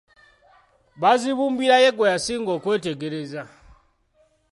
Bazibumbira ye gwe yasinga okwetegereza.